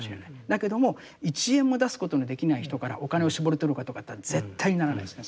だけども１円も出すことのできない人からお金を搾り取るかとかって絶対にならないですねそれは。